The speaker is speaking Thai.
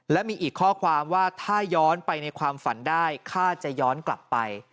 และมีอีกข้อความว่าถ้าย้อนไปในความฝันได้ข้าจะย้อนกลับไป